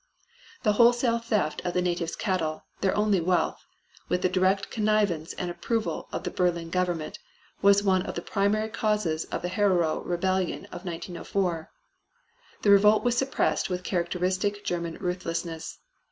The wholesale theft of the natives' cattle, their only wealth, with the direct connivance and approval of the Berlin Government, was one of the primary causes of the Herero rebellion of 1904. The revolt was suppressed with characteristic German ruthlessness.